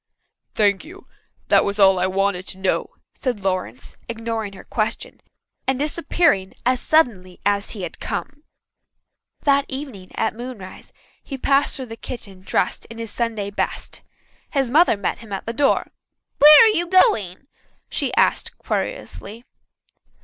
"Thank you. That was all I wanted to know," said Lawrence, ignoring her question, and disappearing as suddenly as he had come. That evening at moonrise he passed through the kitchen dressed in his Sunday best. His mother met him at the door. "Where are you going?" she asked querulously.